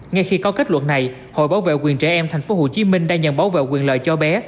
ngay khi có kết luận này hội bảo vệ quyền trẻ em tp hcm đã nhận bảo vệ quyền lợi cho bé